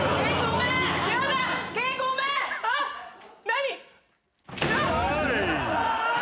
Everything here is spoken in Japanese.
何！